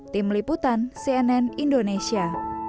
tim liputan cnn indonesia